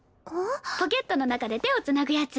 ポケットの中で手を繋ぐやつ。